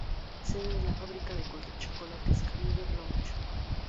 Sede de la fábrica de chocolates Camille Bloch.